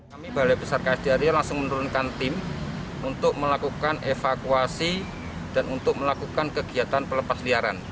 kami balai besar ksdari langsung menurunkan tim untuk melakukan evakuasi dan untuk melakukan kegiatan pelepas liaran